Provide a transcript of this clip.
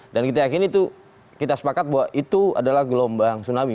dan kita yakin itu kita sepakat bahwa itu adalah gelombang tsunami